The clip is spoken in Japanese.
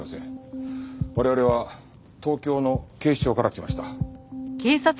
我々は東京の警視庁から来ました。